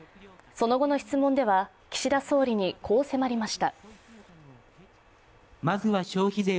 その後の質問では、岸田総理にこう迫りました。